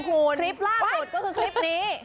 โอ้โหคลิปล่าสุดก็คือคลิปนี้